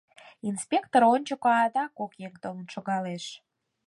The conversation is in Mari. Инспектор ончыко адак кок еҥ толын шогалеш.